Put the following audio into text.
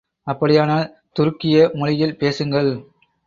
அப்படியானால், துருக்கிய மொழியில் பேசுங்கள்.